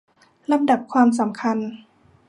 ลำดับความสำคัญ